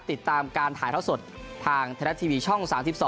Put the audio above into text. ติดตามการถ่ายเท่าสดทางไทยรัฐทีวีช่อง๓๒